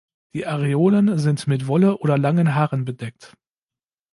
Die Areolen sind mit Wolle oder langen Haaren bedeckt.